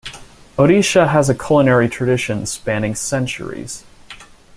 Odisha has a culinary tradition spanning centuries.